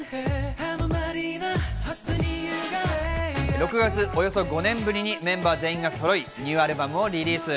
６月、およそ５年ぶりにメンバー全員がそろいニューアルバムをリリース。